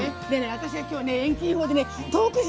私は今日、遠近法で遠くに。